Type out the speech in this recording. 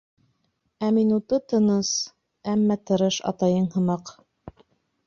Ә минуты тыныс, әммә тырыш, атайың һымаҡ.